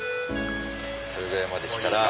それぐらいまで来たら。